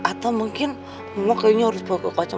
atau mungkin mama kayaknya harus bawa ke kocok